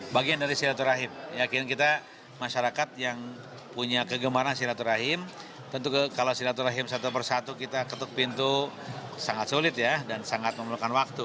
bagian dari silaturahim yakin kita masyarakat yang punya kegemaran silaturahim tentu kalau silaturahim satu persatu kita ketuk pintu sangat sulit ya dan sangat memerlukan waktu